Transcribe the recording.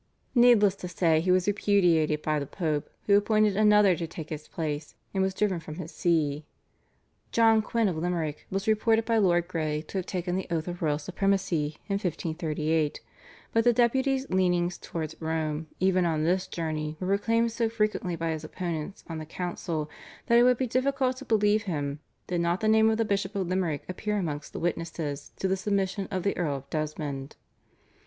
Needless to say he was repudiated by the Pope, who appointed another to take his place, and was driven from his See. John Quinn of Limerick was reported by Lord Grey to have taken the oath of royal supremacy in 1538, but the Deputy's leanings towards Rome even on this journey were proclaimed so frequently by his opponents on the council that it would be difficult to believe him, did not the name of the Bishop of Limerick appear amongst the witnesses to the submission of the Earl of Desmond.